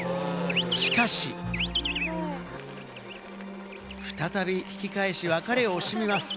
しかし、再び引き返し、別れを惜しみます。